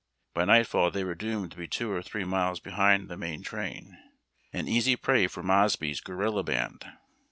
By nightfall they were doomed to be two or three miles behind the main train — an easy prey for Mosby's guerilla band.